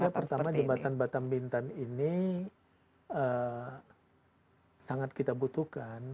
ya pertama jembatan batam bintan ini sangat kita butuhkan